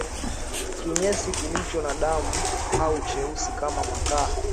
Kinyesi kilicho na damu au cheusi kama makaa